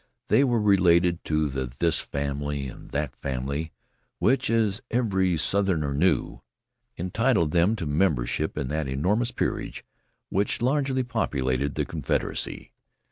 They were related to the This Family and the That Family, which, as every Southerner knew, entitled them to membership in that enormous peerage which largely populated the Confederacy.